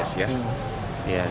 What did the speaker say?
ya siapa saja